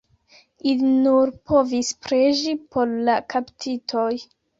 Ili nur povis preĝi por la kaptitoj.